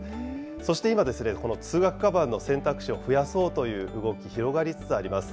そして今ですね、この通学かばんの選択肢を増やそうという動き、広がりつつあります。